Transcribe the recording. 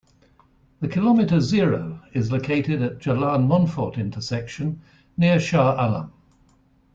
The Kilometre Zero is located at Jalan Monfort intersection near Shah Alam.